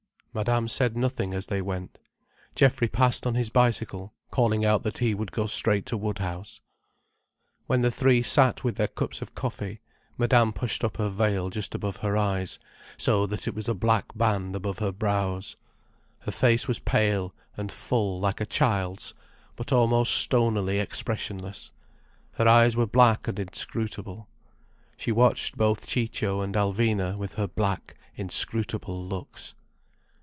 Madame said nothing as they went. Geoffrey passed on his bicycle, calling out that he would go straight to Woodhouse. When the three sat with their cups of coffee, Madame pushed up her veil just above her eyes, so that it was a black band above her brows. Her face was pale and full like a child's, but almost stonily expressionless, her eyes were black and inscrutable. She watched both Ciccio and Alvina with her black, inscrutable looks.